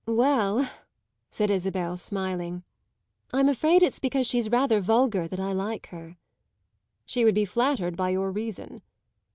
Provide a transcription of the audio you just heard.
"Well," said Isabel, smiling, "I'm afraid it's because she's rather vulgar that I like her." "She would be flattered by your reason!"